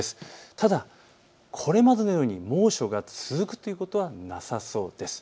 ただ、これまでのように猛暑が続くということはなさそうです。